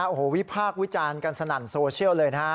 โอ้โหวิพากษ์วิจารณ์กันสนั่นโซเชียลเลยนะฮะ